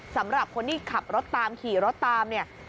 สำหรับคนที่ขับรถตามขี่รถตามเนี่ย